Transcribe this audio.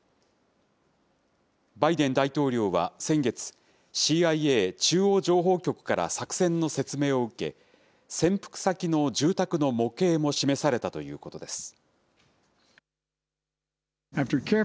バイデン大統領は先月、ＣＩＡ・中央情報局から作戦の説明を受け、潜伏先の住宅の模型も示されたということです。